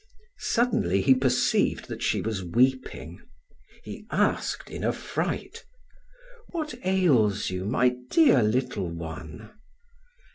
Suddenly he perceived that she was weeping. He asked in affright: "What ails you, my dear little one?"